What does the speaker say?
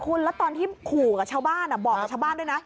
คุณแล้วตอนที่ขู่กับชาวบ้านบอกกับชาวบ้านด้วยนะ